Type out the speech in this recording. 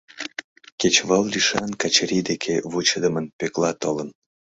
Кечывал лишан Качырий деке вучыдымын Пӧкла толын.